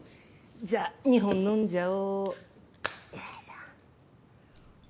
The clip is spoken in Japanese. じゃあ２本飲んじゃお。